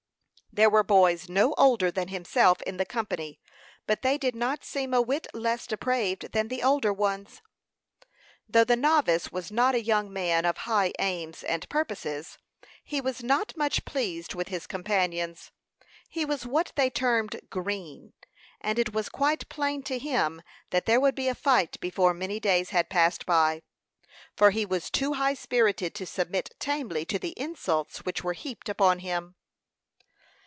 There were boys no older than himself in the company, but they did not seem a whit less depraved than the older ones. Though the novice was not a young man of high aims and purposes, he was not much pleased with his companions. He was what they termed "green," and it was quite plain to him that there would be a fight before many days had passed by, for he was too high spirited to submit tamely to the insults which were heaped upon him.